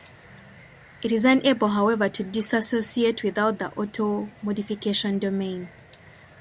It is unable, however, to dissociate without the auto-modification domain.